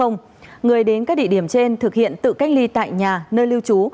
người đến các địa điểm trên thực hiện tự cách ly tại nhà nơi lưu trú